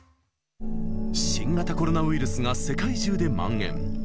新型コロナウイルスが世界中でまん延。